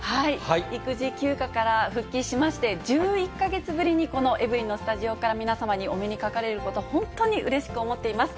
育児休暇から復帰しまして、１１か月ぶりに、このエブリィのスタジオから、皆様にお目にかかれること、本当にうれしく思っています。